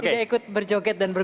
tidak ikut berjoget dan ber